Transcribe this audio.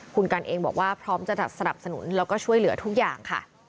คุณกัลเองพร้อมจะสนับสนุนและช่วยเหลือทุกอย่าง